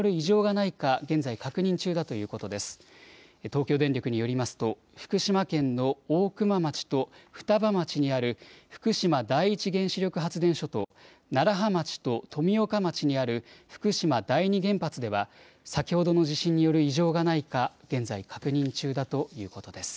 東京電力によりますと福島県の大熊町と双葉町にある福島第一原子力発電所と楢葉町と富岡町にある福島第二原発では先ほどの地震による異常がないか現在、確認中だということです。